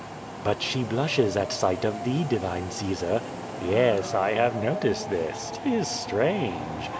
"But she blushes at sight of thee, divine Caesar." "Yes, I have noticed this. 'Tis strange.